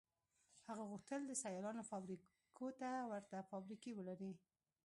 هغه غوښتل د سیالانو فابریکو ته ورته فابریکې ولري